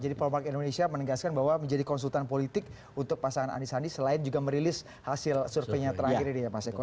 jadi polmark indonesia menegaskan bahwa menjadi konsultan politik untuk pasangan anisandi selain juga merilis hasil surveinya terakhir ini ya pak seko